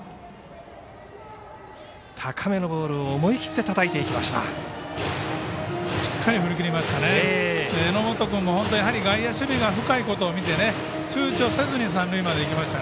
高めのボールを思い切ってたたいていきました。